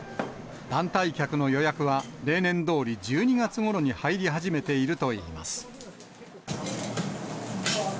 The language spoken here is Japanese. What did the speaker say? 団体客の予約は、例年どおり、１２月ごろに入り始めているといいます。